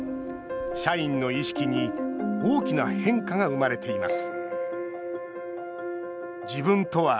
社員の意識に大きな変化が生まれています